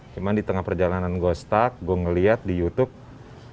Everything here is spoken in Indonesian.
cuma di tengah perjalanan gue start gue ngeliat di youtube